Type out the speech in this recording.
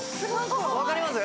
わかります？